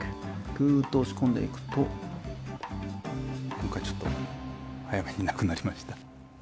ぐと押し込んでいくと今回ちょっと早めになくなりました。